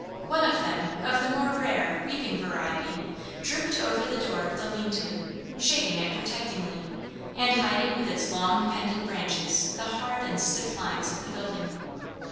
One of them, of the more rare weeping variety, drooped over the door of the lean to, shading it protectingly, and hiding with its long pendant branches the hard and stiff lines of the building.